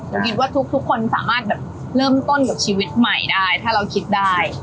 คิดว่าทุกคนสามารถแบบเริ่มต้นกับชีวิตใหม่ได้ถ้าเราคิดได้